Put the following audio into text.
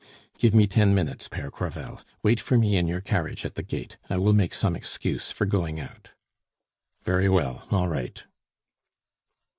"Give me ten minutes, Pere Crevel; wait for me in your carriage at the gate. I will make some excuse for going out." "Very well all right."